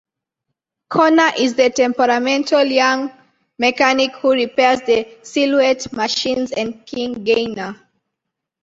Cona is the temperamental young mechanic who repairs the Silhouette machines and King Gainer.